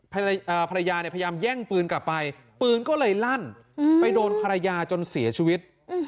ภรรยาเนี่ยพยายามแย่งปืนกลับไปปืนก็เลยลั่นไปโดนภรรยาจนเสียชีวิต